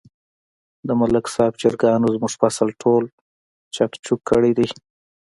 د ملک صاحب چرگانو زموږ فصل ټول چک چوک کړی دی.